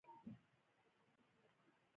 موږ بیرون د چتر لاندې کېناستو.